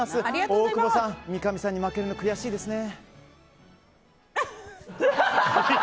大久保さん、三上さんに負けるの悔しいですね！